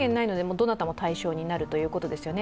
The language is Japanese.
どなたも対象になるということですね。